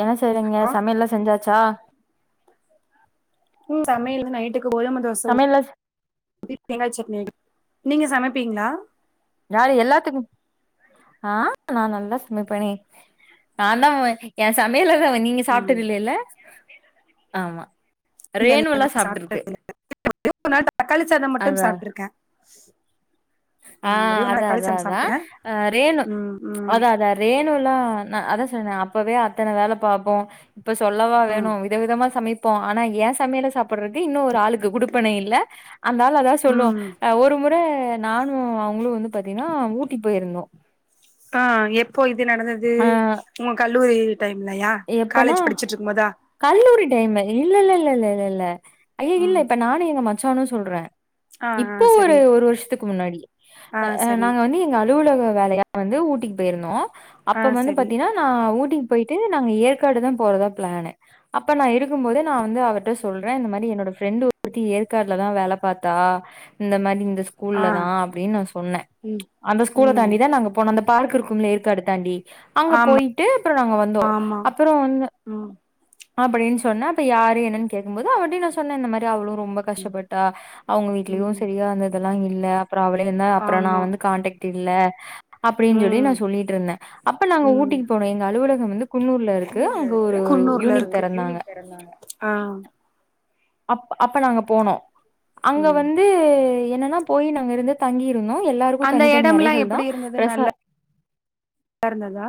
என்ன செய்றீங்க ஆ சமயல்லா செஞ்சாச்சா ம் சமையல் வந்து நைட்டுக்கு கோதும தோச சமையல்ல [inaudible] தேங்காச் சட்னி நீங்க சமப்பீங்களா நா‌ எல்லாத்துக்கு ஆஹ் நா நல்லா சமைப்பனே நா தா ஏ சமையல்ல தா நீங்க ம் சாப்ட்டதில்லேல்ல ஆமா இல்ல இல்ல ரேணுல்லா நா சாப்ட்ருக்கு சாப்ட்டது இல்ல ஒரே ஒரு நாள் தக்காளி சாதம் மட்டும் சாப்ட்ருக்க ஆஹ் அதா அதா‌ அதா சாப்ட்டே ஆஹ் ரேணு ம் ம் அதா‌ அதா ரேணுலா நா அதா சொல்றனே அப்பவே அத்தன வேல பாப்போ இப்ப சொல்லவா ம் வேணு விதவிதமா சமை ப்போ ஆனா ஏ சமையல சாப்புட்றதுக்கு இன்னு ஒரு ஆளுக்கு குடுப்பனை இல்ல அந்தாள் அதா சொல்லு ம் அஹ் ஒரு முற நானு அவ் அவுங்களு வந்து பாத்தீங்கன்னா ஊட்டி போயிருந்தோ ஆஹ் எப்போ இது நடந்தது ஆ உங்க கல்லூரி டைம்லயா எப்பனா காலேஜ் படிச்சிட்ருக்கும் போதா இல்லல்லல்லல்லல்லல்ல ஐய இல்ல ம் இப்ப நானு எங்க மச்சானு சொல்ற ஆ ஆ இப்போ ஒரு சரி ஒரு வருஷத்துக்கு முன்னாடி ஆ நாங்க வந்து எங்க அலுவலக வேலையா வந்து ஊட்டிக்கு போய்ருந்தோ ஆ அப்ப வந்து சரி பாத்தீங்கன்னா நா ஊட்டிக்கு போய்ட்டு நாங்க ஏற்காடு தா போறதா ப்ளானு அப்ப நா இருக்கும் போதே நா வந்து அவர்ட்ட சொல்றே இந்த மாரி என்னோட ஃப்ரெண்டு ஒருத்தி ஏற்காட்லதா வேல பாத்தா இந்த மாரி இந்த ஸ்கூல்ல ஆ தா அப்டின் நா சொன்ன ம் அந்த ஸ்கூல்ல ம் தாண்டிதா நாங்க போனோமே பார்க் இருக்கும்ல ஏற்காடு தாண்டி அங்க ஆமா போய்ட்டு அப்றோ நாங்க வந்தோ ஆமா அப்பறோ வந்து ம் அப்டின் சொன்ன அப்ப யாரு என்னன்னு கேடக்கும் போது அவுங்கட்டயு நா சொன்ன இந்த மாரி அவளு ரொம்ப கஷ்டப்பட்டா அவுங்க வீட்லயு ம் சரியா அந்த இதல்லா இல்ல அப்றோ அவளே இருந்தா அப்பறோ நா ஆமா வந்து கான்டாக்ட் இல்ல அப்படின் சொல்லி ம் நா சொல்லிட்ருந்த அப்ப நாங்க ம் ஊட்டிக்கு போனோ எங்க அலுவலகம் வந்து குன்னூர்ல இருக்கு அங்க ஒரு ஒரு குன்னூர்ல யூனிட் இருக்கு தொறந்தாங்க ஆ அப் அப்ப நாங்க போனோ அங்க ம் வந்து என்னன்னா போயி நாங்க இருந்து தங்கி இருந்தோ எல்லாருக்கு அந்த தனித்தனி எடம்லா அறைஹள் தா ரெசா லார்ந்ததா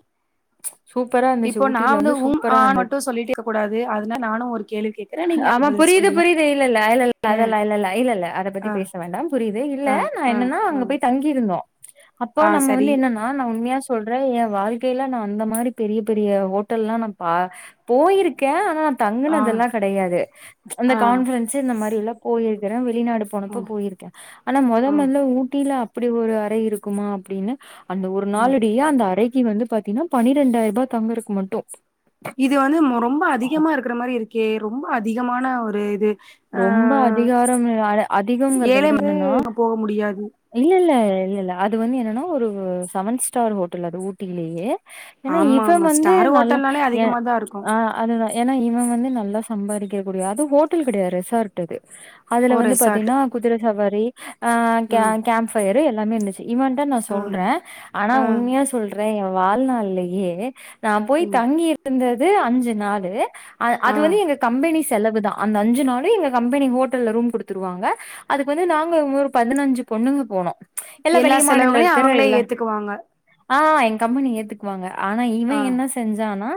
சூப்பரா இருந்துச்சு இப்போ நா ஊட்டில வந்து உம் ஆ சூப்பரா இருந்தது மட்டு சொல்லிட்டே இருக்க கூடாது அதனால நானு ஒரு கேள்வி கேக்ற நீங்க அதுக்கு பதில் சொல் இது புரியுது இல்லல்ல இல்லல்ல அதல்லா இல்லல்ல இல்லல்ல அத பத்தி ஆ பேச வேண்டாம் புரிது இல்ல ஆ நா ஆ என்னன்னா ஆ அங்க போய் தங்கியிருந்தோ அப்போ ஆ நம்ம சரி வந்து என்னன்னா நா உண்மையா சொ சொல்றே என் வாழ்க்கைல நா அந்த மாரி பெரிய பெரிய ஹோட்டல்லா நா பா போயிருக்க ஆனா நா ஆ தங்குனதல்லா கடையாது அந்த ஆ கான்ஃபரன்சி இந்த மாரிலா போயிருக்குற விட் வெளிநாடு ஆ போனப்ப போயிருக்க ஆனா மொத ஆ மொதல்ல ஊட்டில அப்டி ஒரு அறை இருக்குமா அப்டின்னு அந்த ஒரு ம் நாளிடையே அந்த அறைக்கு வந்து பாத்தீங்கன்னா பனிரெண்டாயரூபா தங்கறக்கு மட்டு இது வந்து மொ ரொம்ப அதிகமா இருக்கற மாரி இருக்கே ரொம்ப அதிகமான ஒரு இது ரொம்ப அதிகாரம் அதிகங்கறத ஏழை விட வந்து என்னன்னா அங்க போக முடியாது இல்லல்ல இல்லல்ல அது வந்து என்னன்னா ஒரு செவன் ஸ்டார் ஹோட்டல் அது ஊட்டிலயே ஏன்னா ஆமா இவ ஆமா வந்து ஸ்டார் நல்லா ஹோட்டல்னாலே எ அதிகமா தா இருக்கு அ அது ஏன்னா இவ வந்து நல்லா சம்பாதிரக்க கூடிய அது ஹோட்டல் கெடையாது ரெசார்ட் அது ஓ அதுல வந்து ரெசார்ட் பாத்தீனா குதிர சவாரி அ ம் கேம் கேம்ப் ஃபயரு எல்லாமே இருந்துச்சு இவன்ட்ட நா ம் சொல்ற ஆனா ஆ உண்மையா சொல்ற எ வாழ்நாள்லயே நா போய் ம் தங்கி இருந்தது அஞ்சு நாளு அ ஆ அது வந்து எங்க கம்பெனிஸ் செலவு தா அந்த அஞ்சு நாள் எங்க கம்பெனி ஹோட்டல்ல ரூம் குடுத்துருவாங்க அதுக்கு வந்து நாங்க ஒரு பதினஞ்சு பொண்ணுங்க போனோ எல்லா வெளிய மாநில செலவுகளையு தெர அவங்களே எல்லா ஏத்துக்குவாங்க அ எங்க கம்பனி ஏத்துக்குவாங்க ஆனா இவ ஆ என்ன செஞ்சான்னா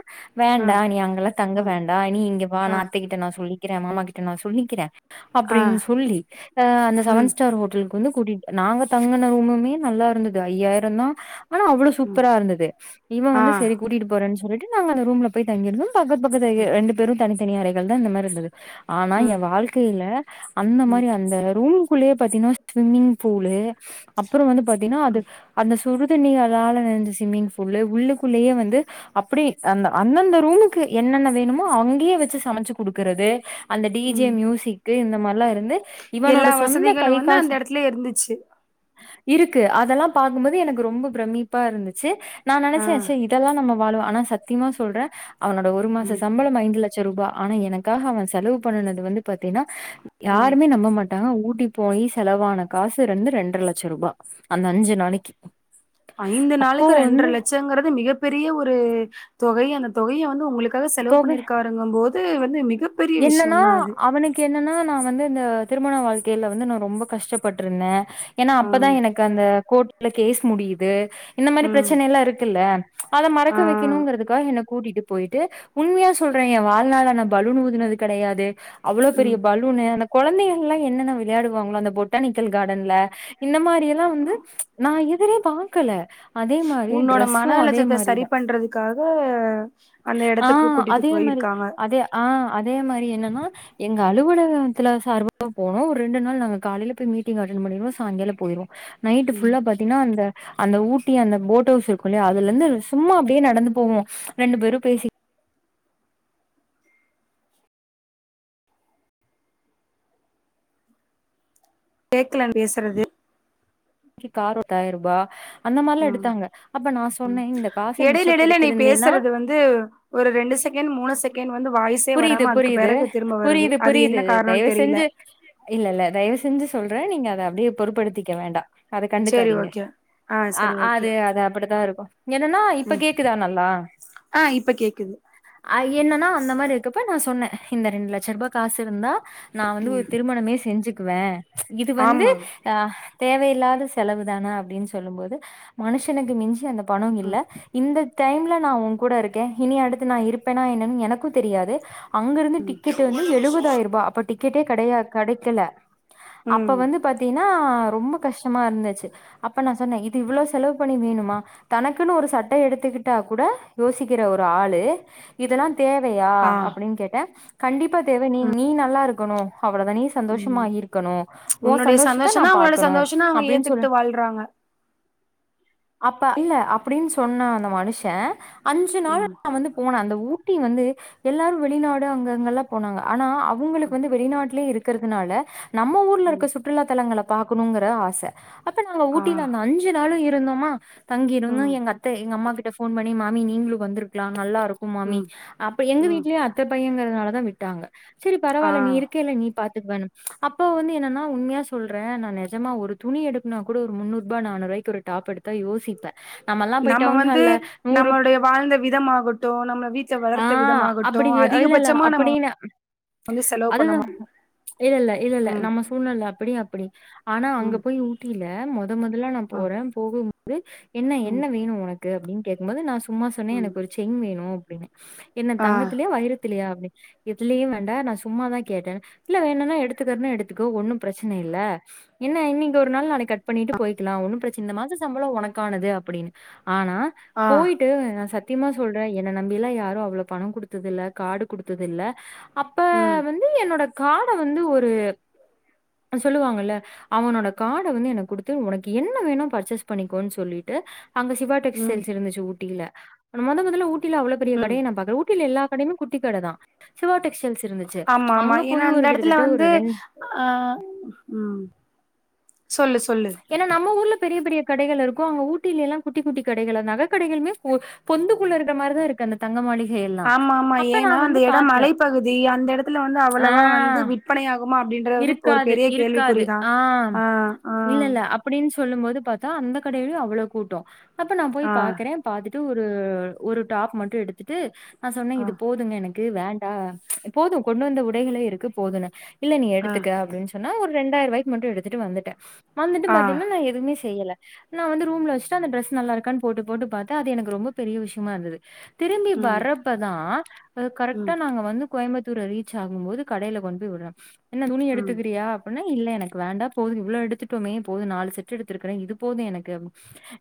ஆ வேண்டா நீ அங்கெல்லா தங்க ஆ வேண்டா நீ இங்க வா ஆ நா அத்தைகிட்ட நா சொல்லி க்கிறே மாமா கிட்ட நா சொல்லிக்கிறே ஆ அப்டின் சொல்லி அ அந்த ம் செவன் ஸ்டார் ஹோட்டல் வந்து கூட்டிட் நாங்க தங்கன ரூமுமே நல்லா இருந்தது ஐயாயிரந்தா ஆனா அவ்ளோ ம் சூப்பராருந்தது இவ ஆ வந்து சரி கூட்டிட்டு போறன் சொல்ட்டு நாங்க அந்த ரூம்ல போய் தங்கிருந்தோ பக்கத்து பக்கத்து அ ரெண்டு பேரு தனித்தனி அறைகள் தா இந்த மாரி இருந்தது ஆனா எ ம் வாழ்க்கையில அந்த ம் மாரி அந்த ரூம் குள்ளயே பாத்தீனா ஸ்விம்மிங் ஃபூலு அப்புற வந்து பாத்தீனா அது அந்தஸ் சுடுதண்ணியாளால நெறஞ்ச ஸ்விம்மிங் ஃபூலு உள்ளுக்குள்ளேயே வந்து அப்டி அந்த அந்தந்த ரூமுக்கு என்னென்ன வேணுமோ அங்கயே வெச்சு சமைச்சு குடுக்கறது அந்த டிஜே ம் மியூசிக்கு இந்த மாரிலா இரு ந்து இவனோட எல்லா சொந்த வசதிகளு வந்து அந்த கைகாசு எடத்துல இருந்துச்சு இருக்கு அதெல்லா பாக்கு போது எனக்கு ரொம்ப பிரமிப்பா இருந்துச்சு நா ஆ நெனைச்சே ச இதெல்லா நம்ம வாலுவே ஆனா சத்தியமா சொல்றே அவனோட ஒரு மாச ம் சம்பள ஐந்து லட்ச ரூபா ஆனா எனக்காக அவ செலவு பண்ணுனது வந்து பாத்தீனா ஆ யாருமே நம்ப மாட் த ஊட்டி போய் செலவான காசு ரெண்டு ரெண்டர லட்சரூபா அந்த அஞ்சு நாளைக்கு ஐந்து அப்போ நாளுக்கு ரெண்ட்ற வந்து லட்சங்கிறது மிகப் பெரிய ஒரு தொகை அந்த தொகைய வந்து உங்களுக் க்காக செலவு தொக பண்ணியிருக்காருங்க போது வந்து மிக் என்னன்னா அவனுக்கு என்னன்னா நா வந்து இந்த திருமண வாழ்க்கையில வந்து நா ரொம்ப கஷ்டப்பட்டுருந்தே ஏன்னா அப்பதா ம் எனக்கு அந்த கோர்ட்ல கேஸ் முடியுது இந்த மாரி ம் பிரச்சனை எல்லா இருக்குல்ல அத ஆ மறக்க வைக்கணுங்கிறதுக்காக என்ன கூட்டிட்டு போயிட்டு உண்மையா சொல்ற ஏ வாழ்நாள்ல நா பலூன் ஊதுனது கெடையாது அவ்ளோ பெரிய ம் பலூன்னு எனக் கொழந்தைகள் எல்லா என்னென்ன வெளையாடுவாங்களோ அந்த பொட்டானிக்கல் கார்டன்ல இந்த மாரி எல்லா வந்து நா இப் எதிரே பாக்கல அதே மாரி உன்னோட டரெஸ்ஸு மன அதே அழுத்தத்த மாரி சரி தா பண்றதுக்காக அந்த அ எடத்துக்கு கூட்டிட்டு அதே மாரி ரி போயிருக்காங்க அதே அ அதே மா மாரி என்னன்னா எங்க அலுவலகத்தில சார்ப போனோ ஒரு ரெண்டு நாள் நாங்க காலைல போய் மீட்டிங் அட்டென் பண்ணிருவோ சோ அங்கெல்லா போயிருவோ நைட் ம் ஃபுல்லா பாத்தீனா அந்த அந்த ஊட்டி அந்த போட் ஹவுஸ் இருக்கு இல்லையா அதுல இருந்து சும்மா அப்டியே நடந்து போவோ ரெண்டு பேரு பேசி கேக்கல பேசுறது க்கு கார் பத்தாயிருபா அந்த மாரிலா ம் எடுத்தாங்க அப்ப நா சொன்னே இந்த காச எடையில எடையில நீ மிச்சப்படுத்திருந்தீன்னா பேசுறது வந்து ஒரு செகண்ட் மூணு செகண்ட் வந்து வாய்ஸ் புரியுது புரியுது புரியுது என்ன புரியுது காரணம்னு தயவு தெரியல. செஞ்சு இல்ல இல்ல தயவு செஞ்சு சொல்றே நீங்க அத அப்டியே பொருபடுத்திக்க வேண்டா அத சரி கண்டுக்காதீங்க ஓகே. ஆ அ சரி ஓகே. அது அது அப்படித்தா இருக்கு என்னன்னா இப்ப ம். கேக்குதா நல்லா ஆ இப்ப கேக்குது. அ என்னன்னா அந்த மாரி இரு நா சொன்னே இந்த ரெண்டு லட்ச ரூபா காசு இருந்தா நா வந்து ஒரு ம். திருமணமே செஞ்சுக்குவே இது வந்து ஆமா. அ தேவையில்லாத செலவு தான அப்டின் சொல்லு போது மனுஷனுக்கு மிஞ்சி அந்த பணம் இல்ல ம். இந்த டைம்ல நா உங்கூட இருக்கே இனி அடுத்து நா இருப்பேன்னா என்னன்னு எனக்கு தெரியாது அங்கருந்து டிக்கெட் வந்து எழுவதாயிர் ரூபாய் அப்ப டிக்கெட்டே கடையா கடைக்கல்ல அப்ப ம். வந்து பாத்தீங்ன்னா ரொம் ரொம்ப கஷ்டமாருந்துச்சு அப்ப நா சொன்னே இது இவ்ளோ செலவு பணி வேணுமா தனக்குன்னு ஒரு சட்டையே எடுத்துக்கிட் டா கூட யோசிக்கிற ஒரு ஆளு இதெல்லா தேவையா ஆ. அப் ட கண்டிப்பா தேவ நீ நீ நல்லா இருக்கணு அவ்ளோ தா நீ சந்தோஷமா ம். இருக்கணு ஓ உன்னுடைய சந்தோஷத்த சந்தோஷம் நா தான் அவங்களோட பாக்கணு சந்தோஷம்னு அவங்க அப்டின்னு சொல் ஏத்துக்கிட்டு வாழ்றாங்க. அப்ப அல்ல அப்புடின் சொன்ன அந்த மனுஷ அஞ்சு நாள் ம். நா வந்து போன அந்த ஊட்டி வந்து எல்லாரு வெளிநாடு அங்க இங்கல்லா போனாங்க ஆனா அவுங்களுக்கு வந்து வெளிநாட்லேயே இருக்கறதுனால நம்ம ஊர்லருக்க ம். சுற்றுலா தலங்கள பாக்கணுங்கற ஆச அப்ப நாங்க ஆ. ஊட்டியில அந்த அஞ்சு நாளு இருந்தோமா தங்கிருந்து ம். எங்க அத்த எங்க அம்மா கிட்ட போன் பண்ணி மாமி நீங்குளு வந்துருக்லா நல்லாருக் கும் மாமி ம். அப்ப எங்க ம். வீட்லே அத்த பையங்கறதுனால தா விட்டாங்க செரி ஆ. பரவால்ல நீ இருக்கேல்ல நீ பாத் எடுத்துக்லான்னு அப்போ வந்து என்னன்னா உண்மையா சொல்றே நா நெஜமா ஒரு துணி எடுக்னா கூட ஒரு முன்னூறு ரூபாய் நானூறு கைக்கு ஒரு டாப்பெடுத்தா யோசிப்பே நம்ம வந்து நம்மளுடைய வாழ்ந்த விதமாகட்டு நம்மள வீட்ல வளர்த்த விதமாகட் அப்பிடியே அல்லல்ல அப்படின்னு வந்து செலவு பண்ண மா [inaudible] இல்லெல்ல இல்லெல்ல நம்ம சூழ்நெல அப்டி அப்டி ஆனா அங்க ம். போய் ஊட்டில மொத மொதல்ல நா போ ம். போறே போக போம்போது என்ன ம். என்ன வேணு ஒனக்கு அப்டின்னு கேக்கும்போது நா சும்மா சொன்னே ம் எனக்கு ஒரு ஜெயின் வேணு அப்டின்னே என்ன ஆ தங்கத் எடுத்துலையா அப்டின் எதுலியு வேண்டா நா சும்மா தா கேட்டே இல்ல வேணான்னா எடுத்துக்கறதுன்னா எடுத்துக்கோ ஒன்னும் பிரச்சன னைல்ல என்ன இன்னிக்கி ஒரு நாள் நாளை கட் பண்ணிட்டு போயிக்கலா ஒன்னு பிரச்சன இந்த மாசோ சம்பளோ உனக்கானது அப்பிடின்னு ஆனா ஆ போயிட்டு நா சத்தியமா சொல்றே என்ன நம்பிலா யாரு அவ்ளோ பணோ குடுத்து ததில்ல கார்டு குடுத்ததில்ல அப்ப ம் வந்து என்னோட கார்ட வந்து ஒரு அ சொல்லுவாங்கல்ல அவனோட கார்ட வந்து எனக் குடுத்து ஒனக்கு என்ன வேன்னோ பர்ச்சேஸ் பண்ணிக்கோன் சொல்லிட்டு அங்க சிவா ம் டெக்ஸ்டைல்ஸ் இருந்துச்சு ஊட்டியில மொத மொதல ஊட்டில அவ்ளோ பெரிய ம் கடைய நா பாக்ல ஊட் ட்டில எல்லா கடையுமே குட்டி கட தா சிவா டெக்ஸ்ட் டைல்ஸ் இருந்துச்சு ஆமா ஆமா அங்க ஏன்னா போய் அந்த ஒரு எடத்துல கிட்டத்தட்ட ஒரு வந்து ரெண் ஆ ம் சொல்லு சொல்லு நம்ம ஊர்ல பெரிய பெரிய கடைகள் இருக்கு அங்க ஊட்டிலெல்லா குட்டி குட்டி கடைகள் நக கடைகள்மே பொ பொந்துக்குள்ள இருக்கற மாரிதா இருக் அந்த தங்கமாளிக் ஆமா ஆமா ஏன்னா அந்த எடம் மலைப்பகுதி அந்த எடத்துல வந்து ஆ அவ்ளோவா வந்து விற்பனையா குமா அப்டின்றது வந்து ஒரு இருக்காது, பெரிய இருக்காது. கேள்விக்குறிதா ஆ ஆ சொல்லும் போது பாத்தா அந்த கடையிலையு அவ்ளோ கூட்டோ அப்ப நா போய் ஆ பாக்கறே பாத்துட் துட் ஒரு ஒரு டாப் மட்டு எடுத்துட்டு நா சொன்னே ஆ இது போதுங்க எனக் கு வேண்டா போது கொண்டு வந்த உடைகளே இருக்கு போதுன்ன இல்ல நீ ஆ எடுத்துக்க அப்டின்னு சொன்னா ஒரு ரெண்டாயிர ரூவாய்க்கு மட்டு எடுத்துட்டு வந்துட்ட வந்துட்டு ஆ பாத்தீங்ன்னா நா எதுவுமே செய்யல நா வந்து ரூம்ல வச்சுட்டு அந்த ட்ரெஸ் நல்லாருக்காற் போட்டு போட்டு பாத்தா அது எனக்கு ரொம்ப பெரிய விஷ்யமாருந்தது திரும்பி ம் வரப்பதா அ கரெக்டா ம் நாங்க வந்து கோயம்புத்தூர ரீச்சாகும் போது கடையில கொண்டு போய் உடுற என்ன துணி ம் எடுத்துக்கிறியா அப்புன்னு இல்ல எனக்கு வேண்டா போது இவ்ளோ எடுத்துட்டோமே போது நாலு செட்டு எடுத்துருக்குறே இது போது எனக்கு அப்ட்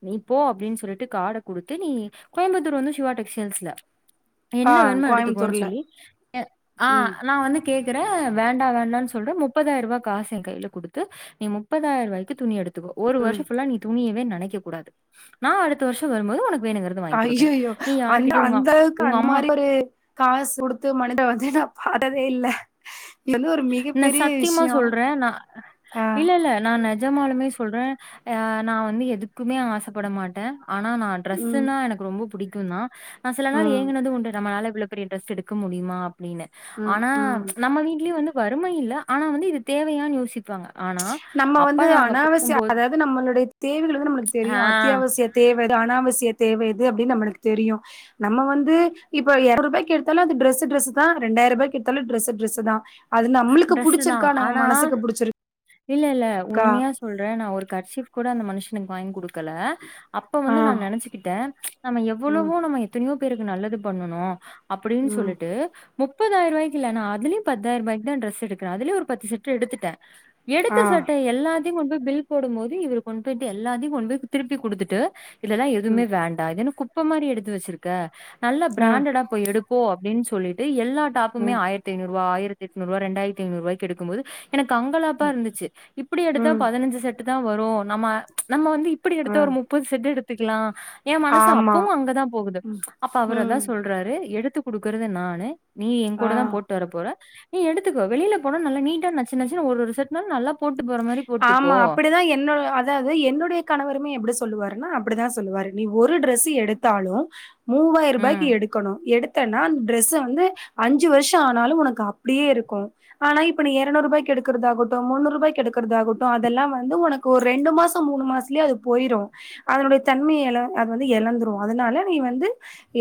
நீப்போ அப்டின்னு சொல்லிட்டு கார்ட குடுத்து நீ கோயம்புத்தூர் வந்து சிவா டெக்ஸ்டைல்ஸ்ல ஆ என்ன வேணுமோ எடுத்துக்கோன் கோயம்புத்தூர்ல சொல்லி எ ஆ ம் நா வந்து கேக்கறே வேண்டா வேண்டான் சொல்ற முப்பதாயிர ரூபா காசு எங்கையில குடுத்து நீ முப்பதாயிர ரூவாய்கி துணி எடு த்துக்கோ ஒரு வருஷோ ஃபுல்லா நீ துணியவே நெனைக்க கூடாது நா அடுத்த வருஷோ வரும்போது உனக் ஐய்யயோ அந்த அந்த அளவுக்கு உங்க அந் அம்மா" மாரி ஒரு காசுகுடுத்து [unintelligible] த்ததே இல்ல இது வந்து ஒரு நா மிகப்பெரிய சத்தியமா விஷயோ சொல்றே நா ஆ இல்லல்ல நானு நஜமாலுமே சொல்றே ஆ நா வந்து எதுக்குமே ஆசைப்பட மாட்டே ஆனா நா ம் டிரஸ்ன்னா எனக்கு ரொம்ப புடிக்குந்தா நா சில நாள் ம் ஏங்குனது உண்டு நம்மளால இவ்ள இப்டி ட்ரஸ் எடுக்க முடியுமா அப்டின்னு ம் ஆனா ம் நம்ம வீட்லயே வந்து வறுமைையில்ல ஆனா வந்து இது தேவையானு யோசிப்பாங்க ஆனா, நம்ம அப்பா வந்து நாங்க அனாவசிய போகும்போது அதாவது நம்மளுடைய தேவைகள் வந்து நம்மளுக்கு தெரியு ஆ அத்தியாவசிய தேவ அனாவசிய தேவ எது அப்டினு நம்மக்கு தெரியு நம்ம வந்து இப்ப இருநூறு ரூபாய் எடுத்தாலு அது டிரெஸ்க்கு ட்ரெஸ் தா ரெண்டாயிர ரூபாய்கு எடுத்தாலு ட்ரெஸ் ட்ரெஸ்சுதா அது நம்மளுக்கு ட்ரெஸ்ஸு தான். புடிச்சிருக்கா நம்ம ஆனா மனசுக்கு புடிச்சிரு இல்ல இல்ல உண்மையா சொல்றே நா ஒரு கர்சிஃப் கூட அந்த மனுஷனுக்கு வாங்கி குடுக்கல அப்ப ஆ வந்து நா நினைச்சுக்கிட்டே நம்ம ம் எவ்வளவோ நம்ம எத்தனையோ பேருக்கு நல்லது பண்ணனு அப்டின்னு ம் சொல்லிட்டு முப்பதாயிர ரூவாய்க்கில்லனா அதுலய பத்தாயிரருவாய்க்கு டிரெஸ் எடுக்கிறே அதுலயு ஒரு பத்து செட் எடுத்துட்ட எடுத்த ஆ சட்டை எல்லாத்தையு கொண்டு போய் பில் போடும் போது இவரு கொண்டு போயிட்டு எல்லாத்தையு கொண்டு போய் திருப்பி குடுத்துட்டு இதெல்லா எதுவுமே ம் வேண்டா இதுன்னு குப்ப மாரி எடுத்து வச்சிருக்க நல்லா ஆ பிராண்டடா போய் எடுப்போ அப்படின் சொல்லிட்டு எல் எல்ல டாபுமே ம் ஆயத்த ஐநூறுவா ஆயிரத்தி எட்நூறுவா ரெண்டாயிரத்து ஐநூறுவாய்க் எடுக்கும் போது எனக்கு அங்கலாப்பா இருந்துச்சு இப்படி எடுத்தா ம் பதினஞ்சு செட்டு தா வரு நம்ம நம்ம வந் இப்படி எடுத்த ஆ ஒரு முப்பது செட்டு எடுத்துக்கலா ஏ மனசு ஆமா அப்பவு அங்கதா போகுது ம் அப்ப அவரதா ம் சொல்றாரு எடுத்து குடுக்கறது நானு நீ எங் ஆ கூடதா போட்டு வர போற நீ எடுத்துக்கோ வெளியில போன நல்லா நீட்டா நச்சுச்சு ஒரு ஒரு செட்னாலு நல்லா போட்டு போற மாரி போட்டு ஆமா போ." அப்படிதா என்னோ அதாவது என்னுடைய கணவர் மே எப்படி சொல்லுவாருன்னா அப்படித்தா சொல்லுவாரு நீ ஒ ஒரு ட்ரெஸ் எடுத்தாலு ம். மூவாய்ரூபாய்க்கு எடுக்கணு எடுத்து த்தனா அந்த டிரெஸ் வந்து அஞ்சு வருஷ ஆனாலு உனக்கு அப்டியே இருக்கு ஆனா இப்ப நீ எரநூறு ரூபாய்க் எடுக்கறதாகட்டு முந்நூறுரூபாய்க் எடுக்க ரதாட்டு அதெல்லா வந்து உனக்கு ஒரு ரெண்டு மாச மூணு மாசலயே அது போயிரு அதனுடைய தன்மைய அது வந்து எழந்துரு அதனால நீ வந்து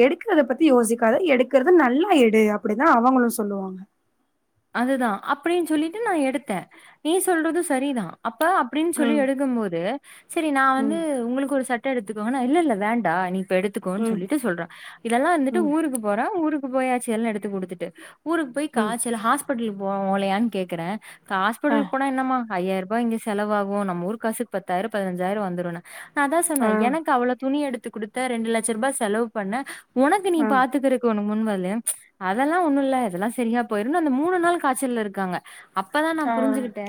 எடுக்கத பத்தி யோசிக்காாத எடுக்கிறது நல்லா எடு அப்டி நா அவங்களு சொல்லுவாங்க அதுதா அப்படின்னு சொல்லிட்டு நா எடுத்தே நீ சொல்றது சரிதா அப்ப அப்படின்னு சொல்லி ம், எடுக்கும் போது சரி நா வந்து ம், உங்களுக்கு ஒரு சட் ட எடுத்துக்கோ இல்ல இல்ல வேண்டா நீ இப்ப எடுத்துக்கோ ம், சொல்லிட்டு சொல்றா இதெல்லா வந்துட்டு ம், ஊருக்கு போறே ஊருக்கு போயட்சி எல்லா எடுத்து குடுத்துட்டு ஊருக்கு போய் ம். காச்சல் ஹாஸ்பிடலு போ ஓலையான்னு கேக்குறே அ, ஹாஸ்பிட்டலு போன என்னம்மா ஐயாயிரரூபா இங்க செலவாகு நம்ம ஊரு காசுக்கு பத்தாயிர பதினஞ்சாயிர வந்துரும்ன நா அதா ஆ, சொன்னே எனக்கு அவ்ள துணி எடுத் த்து குடுத்த ரெண்டு லட்ச ரூபா செலவு பண்ண உனக்கு நீ ஆ. பாத்துக்க உனக்கு முன்வரலைய அதெல்லா ஒன்னு ப்பில்ல இதெல்லா சரியா போயிரு அந்த மூணு நாள் காய்ச்சல்ல இருக்காங்க அப்பதா நா ஆ புரிஞ்சுகிட்டே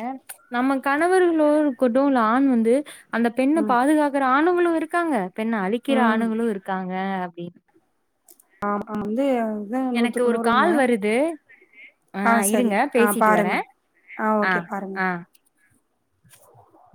நமக்கு கணவர்களோக்கூட்டு உள்ள ஆண் வந்து அந்த பெண்ண ம் பாதுகாக்கற ஆணுங்களு இருக்காங்க பெண்ண அழிக்கிற ம் ஆணுங்களு இருக்காங்க அப்படின் ஆமா வந்து அதா எனக்கு நூத்துக்கு ஒரு நூறு உண்ம கால் வருது. ஆ சரி இருங்க ஆ பேசிட்டு பாருங்க வரேன். ஆ ஓகே பாருங்க ஆ. [inaudible]